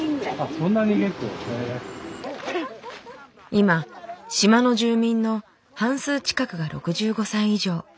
今島の住民の半数近くが６５歳以上。